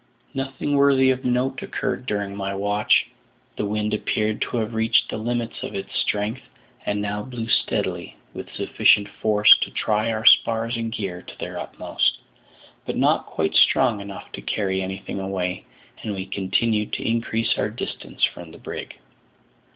Nothing worthy of note occurred during my watch. The wind appeared to have reached the limits of its strength, and now blew steadily, with sufficient force to try our spars and gear to their utmost, but not quite strong enough to carry anything away, and we continued to increase our distance from the brig.